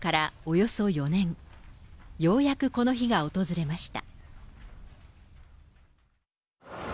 ようやくこの日が訪れました。